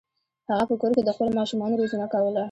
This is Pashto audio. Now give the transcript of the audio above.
هغه په کور کې د خپلو ماشومانو روزنه کوله.